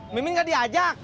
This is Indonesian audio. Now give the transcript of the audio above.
mimin ga diajak